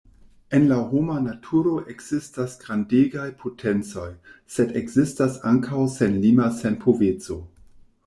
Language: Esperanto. En la homa naturo ekzistas grandegaj potencoj, sed ekzistas ankaŭ senlima senpoveco.